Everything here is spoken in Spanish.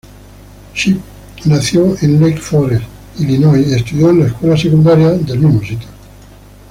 Shipp nació en Lake Forest, Illinois y estudió en la Escuela Secundaria Lake Forest.